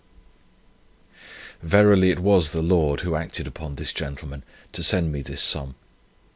Verily it was the Lord who acted upon this gentleman, to send me this sum.